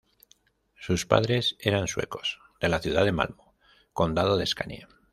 Sus padres eran suecos, de la ciudad de Malmö, condado de Scania.